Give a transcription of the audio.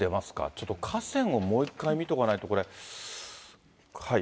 ちょっと河川をもう一回見とかないとこれ。